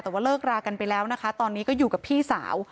แต่ว่าเลิกรากันไปแล้วนะคะตอนนี้ก็อยู่กับพี่สาว